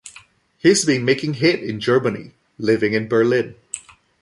He's been making head in Germany, living in Berlin.